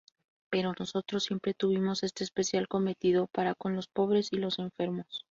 Pero nosotros siempre tuvimos este especial cometido para con los pobres y los enfermos.